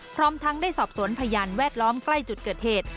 พร้อมทั้งได้สอบสวนพยานแวดล้อมใกล้จุดเกิดเหตุ